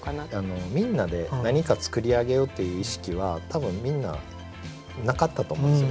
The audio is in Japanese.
みんなで何か作り上げようという意識は多分みんななかったと思うんですよ。